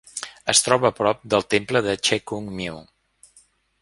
Es troba a prop deI temple de Che Kung Miu.